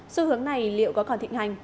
xu hướng này liệu có còn thịnh hành